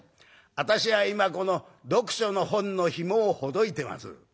私は今この読書の本のひもをほどいてます」。